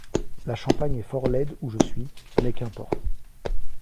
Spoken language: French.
La Champagne est fort laide où je suis ; mais qu'importe